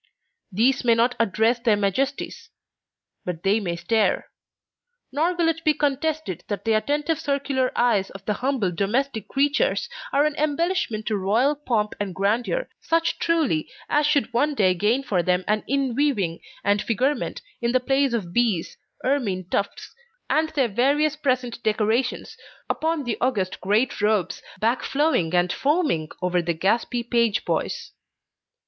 These may not address their Majesties, but they may stare; nor will it be contested that the attentive circular eyes of the humble domestic creatures are an embellishment to Royal pomp and grandeur, such truly as should one day gain for them an inweaving and figurement in the place of bees, ermine tufts, and their various present decorations upon the august great robes back flowing and foaming over the gaspy page boys.